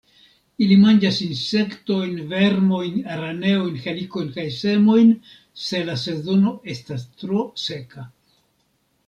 Ili manĝas insektojn, vermojn, araneojn, helikojn kaj semojn, se la sezono estas tro seka.